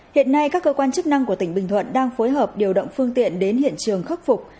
hiện nay các cơ quan chức năng của tỉnh bình thuận đang phối hợp điều động phương tiện đến hiện trường khắc phục